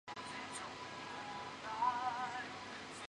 附生花楸为蔷薇科花楸属的植物。